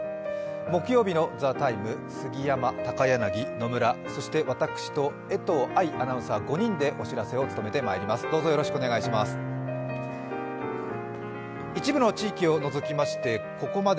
木曜日の「ＴＨＥＴＩＭＥ，」、杉山、高柳、野村、そして私と江藤愛アナウンサーの５人でお知らせを務めてまいります、よろしくお願いします。